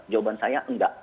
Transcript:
jawaban saya enggak